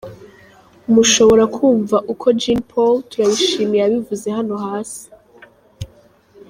Mushobora kumva uko Jean Paul Turayishimye yabivuze hano hasi: